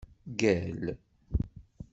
Ggal.